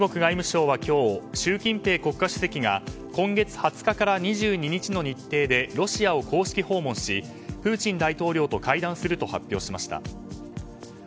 中国外務省は今日、習近平主席が今月２０日から２２日の日程でロシアを公式訪問しプーチン大統領と会談すると発表しました。